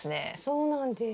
そうなんです。